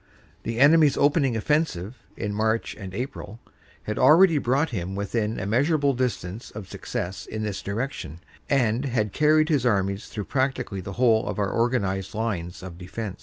The enemy s opening offensive (in March and April) had already brought him within a measurable distance of success in this direction, and had car ried his armies through practically the whole of our organized lines of defense.